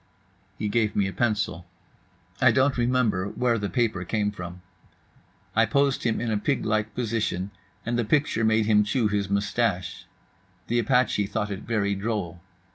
He gave me a pencil. I don't remember where the paper came from. I posed him in a pig like position, and the picture made him chew his moustache. The apache thought it very droll.